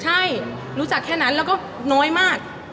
ใช่รู้จักแค่นั้นแล้วก็น้อยมาก